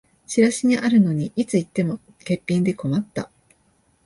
チラシにあるのにいつ行っても欠品で困った